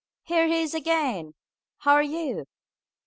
Here he is again! How are you?"